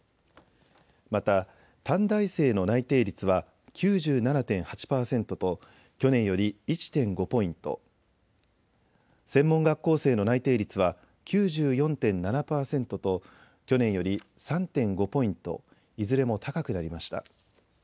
また、短大生の内定率は９７．８％と去年より１．５ポイント、専門学校生の内定率は９４．７％と去年より３．５ポイントいずれも高くなりました。